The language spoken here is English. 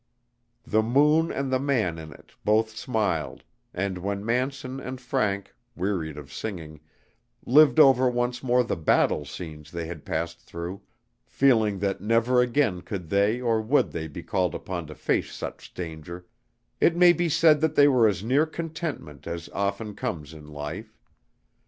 The moon and the man in it both smiled, and when Manson and Frank, wearied of singing, lived over once more the battle scenes they had passed through, feeling that never again could they or would they be called upon to face such danger, it may be said that they were as near contentment as often comes in life.